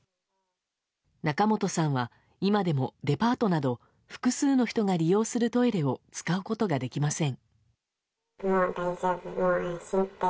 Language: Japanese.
中本さんは今でもデパートなど複数の人が利用するトイレを使うことができません。